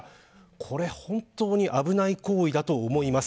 これ、本当に危ない行為だと思います。